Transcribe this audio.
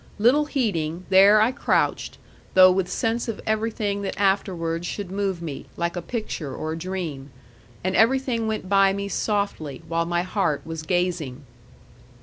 Little heeding, there I crouched; though with sense of everything that afterwards should move me, like a picture or a dream; and everything went by me softly, while my heart was gazing.